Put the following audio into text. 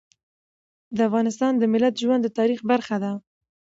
د افغانستان د ملت ژوند د تاریخ برخه ده.